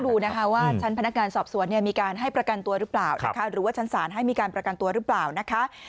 ดันโทษไปหาพ่อแม่ให้พาออกจากคอนโด